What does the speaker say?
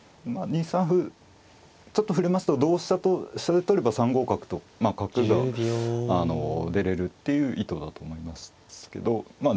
２三歩ちょっとふれますと同飛車と飛車で取れば３五角とまあ角が出れるっていう意図だと思いますけどまあ